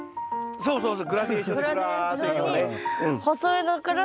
そうそうそう。